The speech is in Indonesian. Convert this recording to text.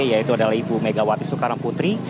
yaitu adalah ibu megawati soekarno putri